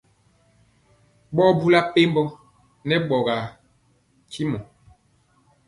Ɓɔ bula mpembɔ nɛ ɓɔgaa ntaŋ.